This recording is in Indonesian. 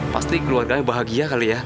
pasti keluarganya bahagia kali ya